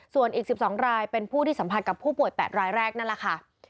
ส่วนอีก๑๒รายเป็นผู้ที่สัมผัสกับผู้ป่วย๘รายแรกนั่นแหละค่ะ